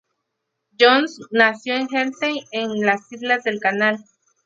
Jones nació en Guernsey, en las Islas del Canal.